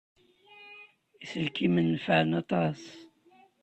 Iselkimen nefɛen aṭas.